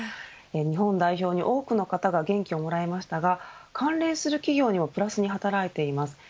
日本代表に、多くの方が元気をもらいましたが関連する企業にもプラスに働いています。